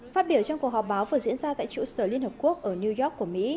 phát biểu trong cuộc họp báo vừa diễn ra tại trụ sở liên hợp quốc ở new york của mỹ